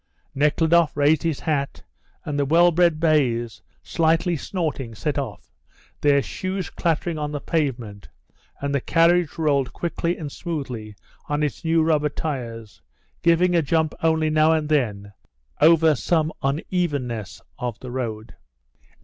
Nekhludoff raised his hat, and the well bred bays, slightly snorting, set off, their shoes clattering on the pavement, and the carriage rolled quickly and smoothly on its new rubber tyres, giving a jump only now and then over some unevenness of the road.